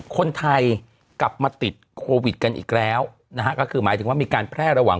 คนไทยกลับมาติดโควิดกันอีกแล้วนะฮะก็คือหมายถึงว่ามีการแพร่ระหว่าง